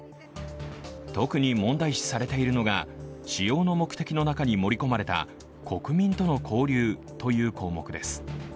特に問題視されているのが、使用の目的の中に盛り込まれた「国民との交流」という項目です。